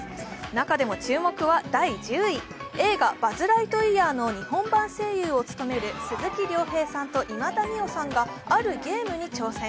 中でも注目は第１０位、映画「バズ・ライトイヤー」の日本版声優を務める鈴木亮平さんと今田美桜さんが、あるゲームに挑戦